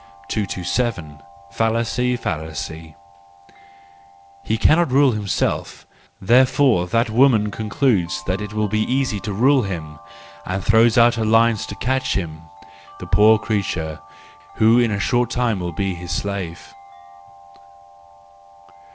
227. Fallacy , Fallacy .— He cannot rule himself; therefore that woman concludes that it will be easy to rule him, and throws out her lines to catch him ;—the poor creature, who in a short time will be his slave.